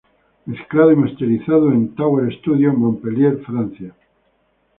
Mezclado y Masterizado en: Tower Studio, Montpellier Francia.